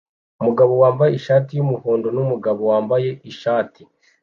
Umugabo wambaye ishati yumuhondo numugabo wambaye ishati